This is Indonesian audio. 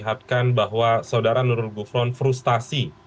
melihatkan bahwa saudara nurul gufron frustasi